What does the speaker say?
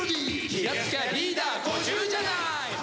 「気がつきゃリーダー５０じゃない！」